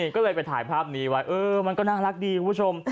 ก็เลยไปถ่ายภาพนี้ไว้เออมันก็น่ารักดีคุณผู้ชม